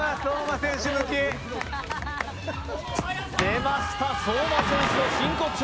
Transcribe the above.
出ました、相馬選手の真骨頂。